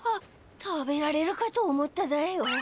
食べられるかと思っただよ。